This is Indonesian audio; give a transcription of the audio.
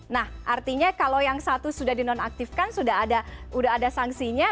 nah artinya kalau yang satu sudah dinonaktifkan sudah ada sanksinya